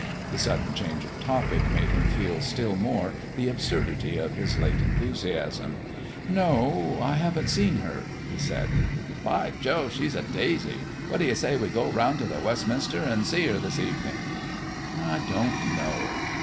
The sudden change of topic made him feel still more the absurdity of his late enthusiasm. "No, I haven't seen her," he said. "By Jove, she's a daisy! What do you say to go around to the Westminster and see her this evening?" "I don't know.